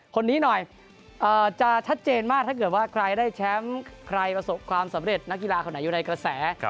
คนนี้หน่อยจะชัดเจนมากถ้าเกิดว่าใครได้แชมป์ใครประสบความสำเร็จนักกีฬาคนไหนอยู่ในกระแส